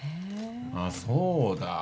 あっ、そうだ。